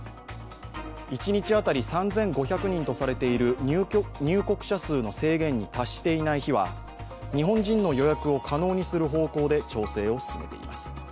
一日当たり３５００人とされている入国者数の制限に達していない日は日本人の予約を可能にする方向で調整を進めています。